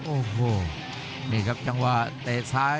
โอ้โหนี่ครับจังหวะเตะซ้าย